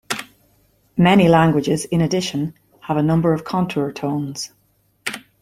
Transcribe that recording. Many languages in addition have a number of contour tones.